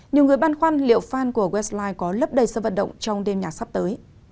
nhiều người băn khoan liệu fan của westlife có lấp đầy sơ vận động trong đêm nhạc sắp tới